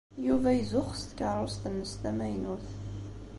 Yuba izuxx s tkeṛṛust-nnes tamaynut.